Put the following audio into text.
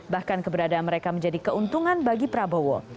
bahkan keberadaan mereka menjadi keuntungan bagi prabowo